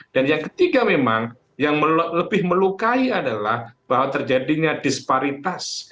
dan yang ketiga memang yang lebih melukai adalah bahwa terjadinya disparitas